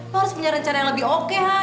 lo harus punya rencana yang lebih oke han